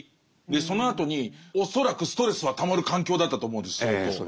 そのあとに恐らくストレスはたまる環境だったと思うんです相当。